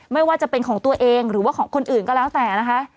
ไม่ว่าจะเป็นของตัวเองหรือว่าของคนอื่นก็แล้วแต่นะคะ